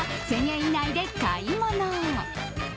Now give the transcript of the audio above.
１０００円以内で買い物。